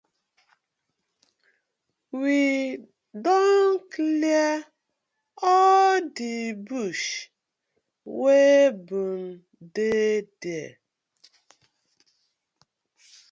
We don clear all di bush wey been dey dere.